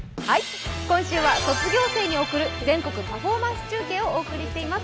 今週は「卒業生に贈る全国パフォーマンス中継」をお送りしています。